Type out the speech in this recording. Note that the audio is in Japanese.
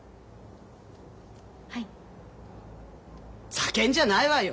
ざけんじゃないわよ。